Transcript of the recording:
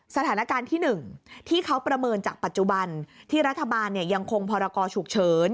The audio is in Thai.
สถานการณ์ที่๑ที่เขาประเมินจากปัจจุบันที่รัฐบาลยังคงพรกรฉุกเฉิน